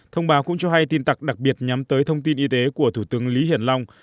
thông báo cũng cho hay tin tặc đặc biệt nhắm tới thông tin y tế của thủ tướng lý hiển long